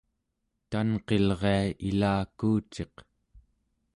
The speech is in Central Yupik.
tanqilria ilakuuciq